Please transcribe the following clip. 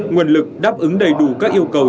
nguồn lực đáp ứng đầy đủ các yêu cầu